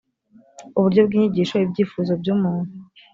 uburyo bw inyigisho ibyifuzo by umuntu